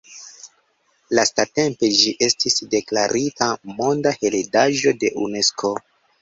Lastatempe ĝi estis deklarita Monda heredaĵo de Unesko.